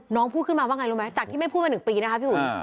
พูดขึ้นมาว่าไงรู้ไหมจากที่ไม่พูดมา๑ปีนะคะพี่อุ๋ย